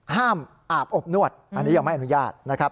ห้ามอาบอบนวดอันนี้ยังไม่อนุญาต